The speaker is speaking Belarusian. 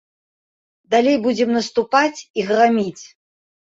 Далей будзем наступаць і граміць.